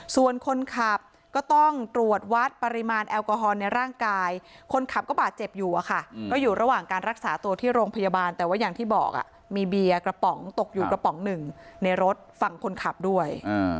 ส่วนคนขับก็ต้องตรวจวัดปริมาณแอลกอฮอลในร่างกายคนขับก็บาดเจ็บอยู่อะค่ะก็อยู่ระหว่างการรักษาตัวที่โรงพยาบาลแต่ว่าอย่างที่บอกมีเบียร์กระป๋องตกอยู่กระป๋องหนึ่งในรถฝั่งคนขับด้วย